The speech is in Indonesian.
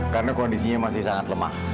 karena kondisinya masih sangat lemah